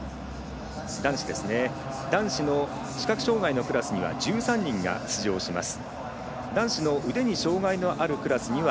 男子の視覚障がいのクラスには１３人が出場します。